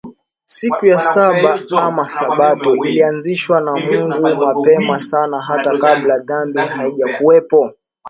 Siku ya Saba ama Sabato ilianzishwa na Mungu Mapema sana hata kabla dhambi haijawepo